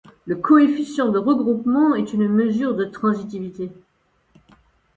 Le coefficient de regroupement est une mesure de transitivité.